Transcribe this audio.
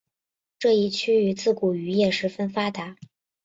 这一区域自古渔业十分发达。